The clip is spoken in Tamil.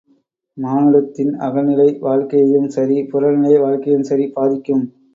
மானுடத்தின் அகநிலை வாழ்க்கையும் சரி, புறநிலை வாழ்க்கையும் சரி பாதிக்கும்.